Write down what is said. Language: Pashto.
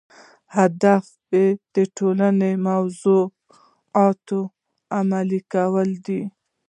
هدف یې په ټولنه کې د موضوعاتو عملي کول دي.